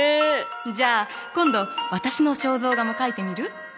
じゃあ今度私の肖像画も描いてみる？